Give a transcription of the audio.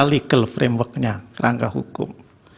legal framework nya rangka hukum